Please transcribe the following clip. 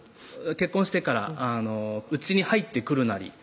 結婚してからうちに入ってくるなり